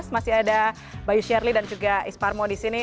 masih ada bayu shirley dan juga isparmo di sini